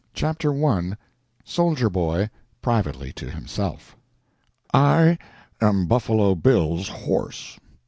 Part I I SOLDIER BOY—PRIVATELY TO HIMSELF I AM Buffalo Bill's horse.